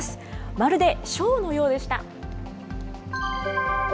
まるでショーのようでした。